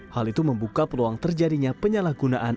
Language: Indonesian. hal itu membuka peluang terjadinya penyalahgunaan